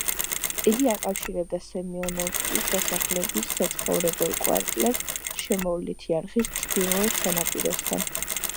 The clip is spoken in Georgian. იგი აკავშირებდა სემიონოვსკის დასახლების საცხოვრებელ კვარტლებს შემოვლითი არხის ჩრდილოეთ სანაპიროსთან.